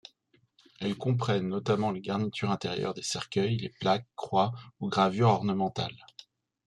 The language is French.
Elles comprennent notamment les garnitures intérieures des cercueils, les plaques, croix ou gravures ornementales.